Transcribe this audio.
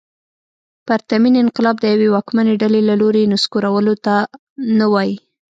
پرتمین انقلاب د یوې واکمنې ډلې له لوري نسکورولو ته نه وايي.